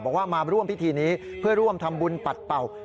มาร่วมพิธีนี้เพื่อร่วมทำบุญปัดเป่า